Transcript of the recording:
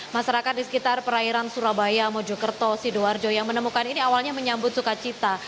masyarakat di sekitar perairan surabaya mojokerto sidoarjo yang menemukan ini awalnya menyambut sukacita